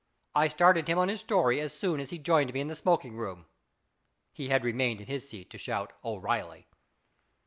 I started him on his story as soon as he joined me in the smoking room. (He had remained in his seat to shout " O'Reilly.")